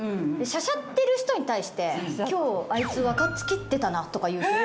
シャシャッてる人に対して「今日あいつ若槻ってたな」とかいう。